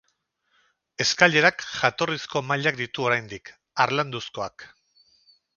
Eskailerak jatorrizko mailak ditu oraindik, harlanduzkoak.